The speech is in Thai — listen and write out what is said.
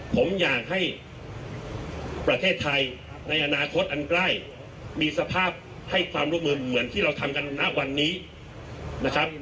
ผมอยากให้ประเทศไทยในอนาคตอันใกล้มีสภาพให้ความร่วมมือเหมือนที่เราทำกันณวันนี้นะครับ